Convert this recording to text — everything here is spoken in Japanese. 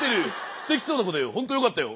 すてきそうな子でほんとよかったよ。